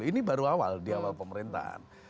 ini baru awal di awal pemerintahan